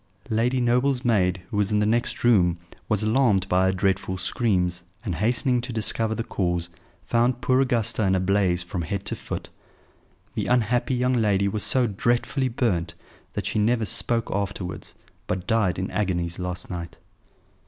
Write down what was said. Lady Noble's maid, who was in the next room, was alarmed by her dreadful screams, and, hastening to discover the cause, found poor Augusta in a blaze from head to foot. The unhappy young lady was so dreadfully burnt that she never spoke afterwards, but died in agonies last night."